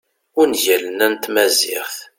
ungalen-a n tmaziɣt